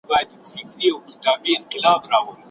موږ په دغه عصر کې حماسي او روحاني شعرونه لولو.